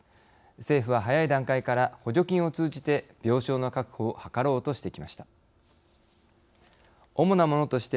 政府は早い段階から補助金を通じて病床の確保を図ろうとしてきました。